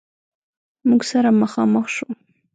موږ سره مخامخ شو.